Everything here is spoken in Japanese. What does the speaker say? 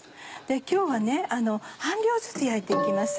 今日は半量ずつ焼いて行きます。